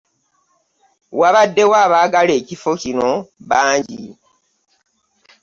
Wabaddewo abaagala ekifo kino bangi.